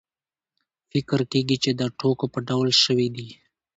فکر کېږي چې د ټوکو په ډول شوې دي.